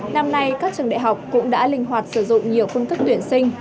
năm nay các trường đại học cũng đã linh hoạt sử dụng nhiều phương thức tuyển sinh